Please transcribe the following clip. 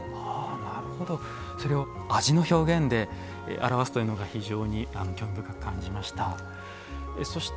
それを、味の表現で表すというのが非常に興味深く感じました。